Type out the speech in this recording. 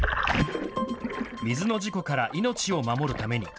水の事故から命を守るために。